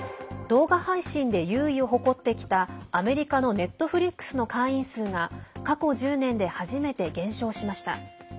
動画配信で優位を誇ってきたアメリカのネットフリックスの会員数が過去１０年で初めて減少しました。